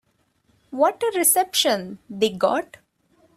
What a reception they got.